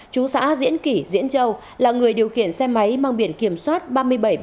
trú xã diễn kỷ diễn châu là người điều khiển xe máy mang biển kiểm soát ba mươi bảy b hai hai mươi năm nghìn tám trăm ba mươi